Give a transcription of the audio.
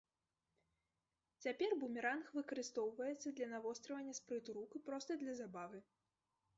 Цяпер бумеранг выкарыстоўваецца для навострывання спрыту рук і проста для забавы.